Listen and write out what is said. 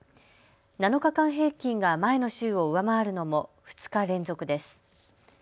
７日間平均が前の週を上回るのも２日連続です。